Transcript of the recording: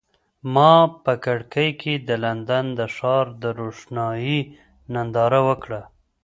ما په کړکۍ کې د لندن د ښار د روښنایۍ ننداره وکړه.